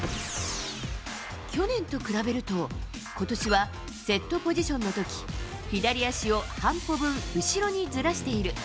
去年と比べると、ことしはセットポジションのとき、左足を半歩分、後ろにずらしている。